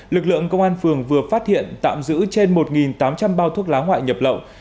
lực lượng công an phường vừa phát hiện tạm giữ trên một tám trăm linh bao thuốc lá ngoại nhập lậu